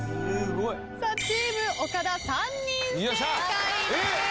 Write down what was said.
チーム岡田３人正解です。